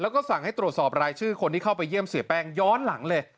แล้วก็สั่งให้ตรวจสอบรายชื่อคนที่เข้าไปเยี่ยมเสียแป้งย้อนหลังเลย